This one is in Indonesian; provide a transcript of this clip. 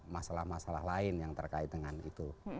masalah masalah lain yang terkait dengan itu